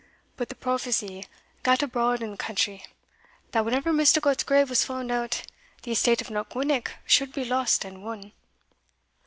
But the prophecy gat abroad in the country, that whenever Misticot's grave was fund out, the estate of Knockwinnock should be lost and won."